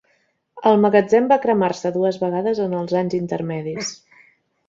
El magatzem va cremar-se dues vegades en els anys intermedis.